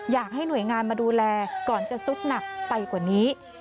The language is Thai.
อยากให้หน่วยงานมาดูแลก่อนจะซุกหนักไปกว่านี้